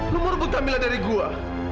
lu merupakan kamilah dari gue